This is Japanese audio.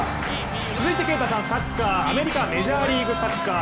続いて、啓太さんサッカー、アメリカメジャーリーグサッカー。